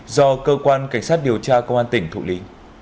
do cơ quan cảnh sát điều tra công an tỉnh thụ lý